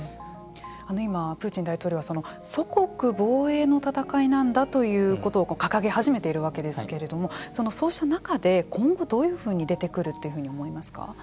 今プーチン大統領は祖国防衛の戦いなんだということを掲げ始めているわけですけれどもそうした中で今後、どういうふうに出てくるというふうに思いますか。